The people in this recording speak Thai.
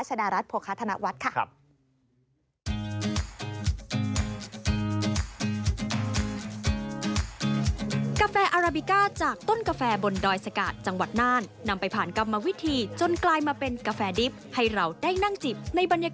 ชาดารัฐโพธิธนาวัฒน์ค่ะครับ